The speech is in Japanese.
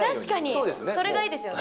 それがいいですよね。